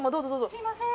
すいません。